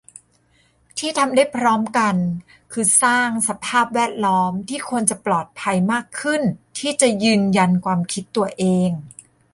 ที่ทำได้พร้อมกัน คือสร้างสภาพแวดล้อมที่คนจะปลอดภัยมากขึ้นที่จะยืนยันความคิดตัวเอง